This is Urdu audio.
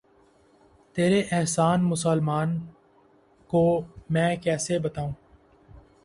تیرے احسان مسلماں کو میں کیسے بتاؤں